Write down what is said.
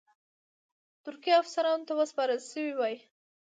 ترکي افسرانو ته سپارل شوی وای.